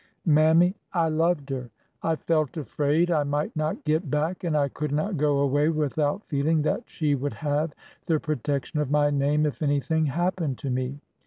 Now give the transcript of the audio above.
Mammy, I loved her. I felt afraid I might not get back, and I could not go away without feeling that she would have the protection of my name if anything hap pened to me.